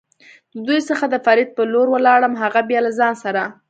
له دوی څخه د فرید په لور ولاړم، هغه بیا له ځان سره.